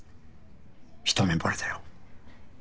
一目惚れだよ。